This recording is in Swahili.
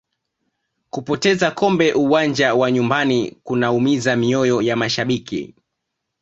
kupoteza kombe uwanja wa nyumbani kunaumiza mioyo ya mashabiki